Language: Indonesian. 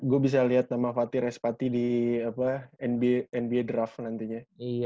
gue bisa lihat nama fatir respati di nba draft nantinya